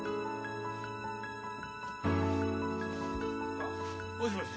・あっもしもし